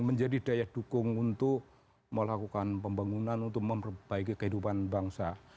menjadi daya dukung untuk melakukan pembangunan untuk memperbaiki kehidupan bangsa